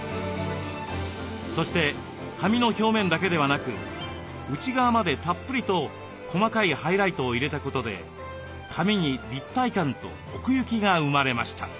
そして髪の表面だけでなく内側までたっぷりと細かいハイライトを入れたことで髪に立体感と奥行きが生まれました。